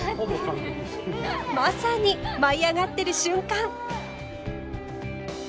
まさに舞いあがってる瞬間！